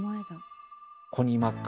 コニー・マック。